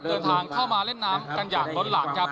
เดินทางเข้ามาเล่นน้ำกันอย่างล้นหลามครับ